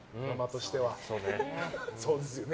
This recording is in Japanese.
そうですよね。